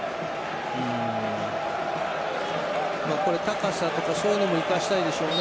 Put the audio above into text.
高さとか、そういうのも生かしたいでしょうね